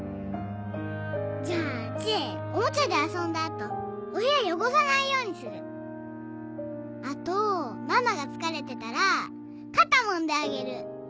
じゃあ知恵おもちゃで遊んだ後お部屋汚さないようにするあとママが疲れてたら肩もんであげる！